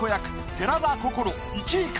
寺田心１位か？